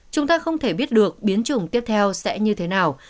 chúng ta không thể biết được biến chủng tiếp theo sẽ như thế nào